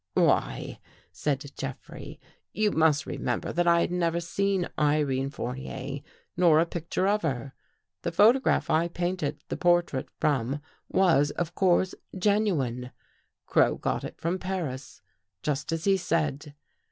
" Why," said Jeffrey, " you must remember that I had never seen Irene Fournier nor a picture of her. The photograph I painted the portrait from was, of course, genuine. Crow got it from Paris, just as he said.